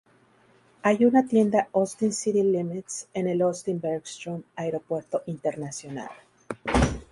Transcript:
Hay una tienda "Austin City Limits" en el Austin-Bergstrom, Aeropuerto Internacional.